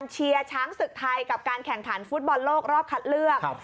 เชียร์ช้างศึกไทยกับการแข่งขันฟุตบอลโลกรอบคัดเลือก